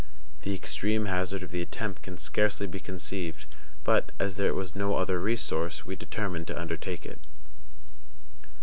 The extreme hazard of the attempt can scarcely be conceived; but, as there was no other resource, we determined to undertake it.